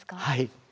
はい。